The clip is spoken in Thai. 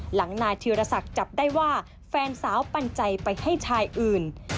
นายธีรศักดิ์จับได้ว่าแฟนสาวปันใจไปให้ชายอื่น